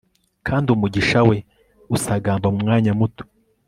kandi umugisha we usagamba mu mwanya muto